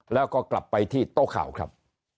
แล้วก็กลับไปที่โต๊ะข่าวครับ